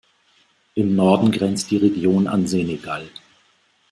Im Norden grenzt die Region an Senegal.